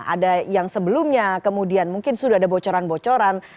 ada yang sebelumnya kemudian mungkin sudah ada bocoran bocoran